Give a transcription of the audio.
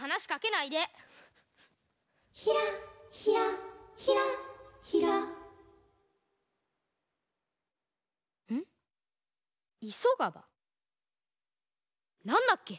なんだっけ？